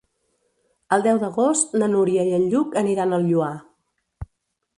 El deu d'agost na Núria i en Lluc aniran al Lloar.